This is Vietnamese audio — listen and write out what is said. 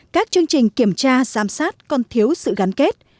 các chương trình kiểm tra giám sát còn thiếu sự gắn kết